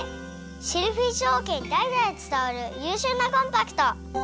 シェルフィッシュおうけにだいだいつたわるゆうしゅうなコンパクト！